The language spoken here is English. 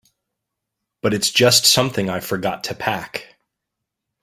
But it's just something I forgot to pack.